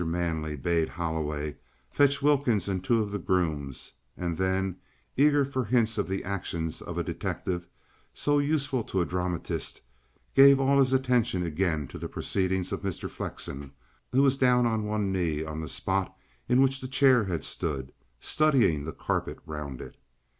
Manley bade Holloway fetch Wilkins and two of the grooms, and then, eager for hints of the actions of a detective, so useful to a dramatist, gave all his attention again to the proceedings of Mr. Flexen, who was down on one knee on the spot in which the chair had stood, studying the carpet round it.